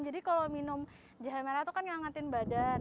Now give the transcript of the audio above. jadi kalau minum jahe merah itu kan mengangkatkan badan